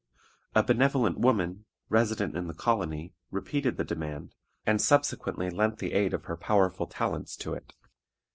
A benevolent woman, resident in the colony, repeated the demand, and subsequently lent the aid of her powerful talents to it.